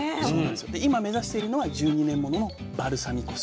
で今目指しているのは１２年物のバルサミコ酢。